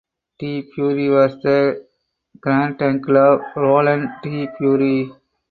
De Pury was the granduncle of Roland de Pury.